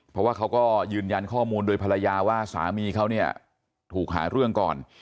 เพราะว่าเขาก็ยืนยันข้อมูลโดยภรรยาว่าสามีเขาเนี่ยถูกหาเรื่องก่อน